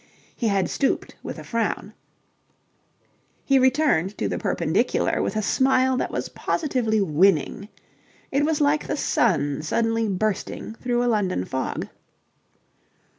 He had stooped with a frown: he returned to the perpendicular with a smile that was positively winning. It was like the sun suddenly bursting through a London fog.